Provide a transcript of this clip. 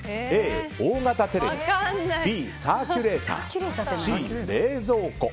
Ａ、大型テレビＢ、サーキュレーターＣ、冷蔵庫。